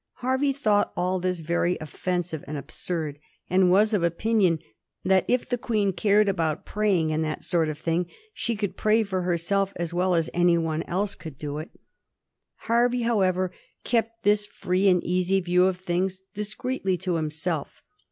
Hervey thought all this very offensive and absurd, and was of opinion that if the Queen cared about praying, and that sort of thing, she could pray for herself as well as any one else could do it. 173Y. PRAYING WITH THE QUEEN. 121 Hervey, however, kept this free and easy view of things discreetly to himself.